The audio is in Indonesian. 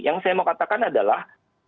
yang saya mau katakan adalah